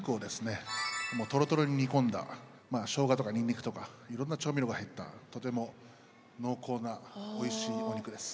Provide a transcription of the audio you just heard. もうトロトロに煮込んだしょうがとかにんにくとかいろんな調味料が入ったとても濃厚なおいしいお肉です。